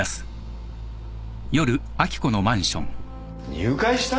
入会した！？